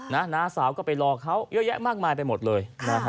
น้าสาวก็ไปรอเขาเยอะแยะมากมายไปหมดเลยนะฮะ